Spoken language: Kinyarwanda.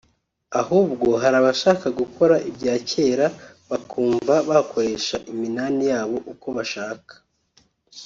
Ahubwo hari abashaka gukora ibya kera bakumva bakoresha iminani ya bo uko bashaka